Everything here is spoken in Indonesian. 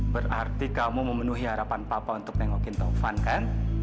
berarti kamu memenuhi harapan papa untuk nengokin taufan kan